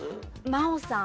真央さん。